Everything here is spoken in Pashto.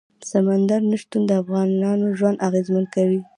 سمندر نه شتون د افغانانو ژوند اغېزمن کوي.